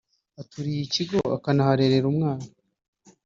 aturiye iki kigo akanaharerera umwana